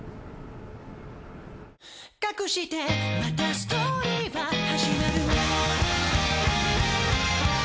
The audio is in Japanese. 「かくしてまたストーリーは始まる」